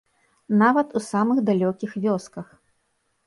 Нават у самых далёкіх вёсках.